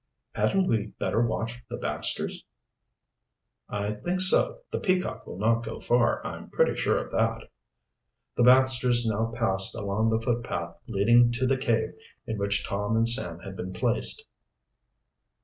"Hadn't we better watch the Baxters?" "I think so. The Peacock will not go far, I'm pretty sure of that." The Baxters now passed along the footpath leading to the cave in which Tom and Sam had been placed.